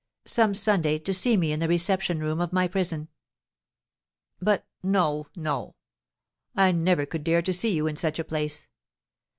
some Sunday, to see me in the reception room of my prison. But no, no; I never could dare to see you in such a place!